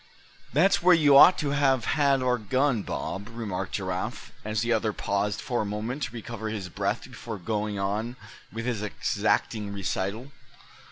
"THAT'S where you had ought to have had our gun, Bob," remarked Giraffe, as the other paused for a moment, to recover his breath before going on with his exacting recital.